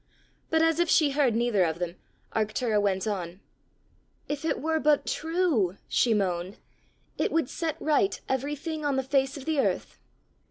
But as if she heard neither of them, Arctura went on, "If it were but true!" she moaned. "It would set right everything on the face of the earth!"